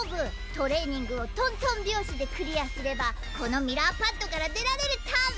トレーニングをトントン拍子でクリアすればこのミラーパッドから出られるトン！